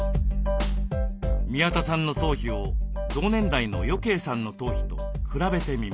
宮田さんの頭皮を同年代の余慶さんの頭皮と比べてみます。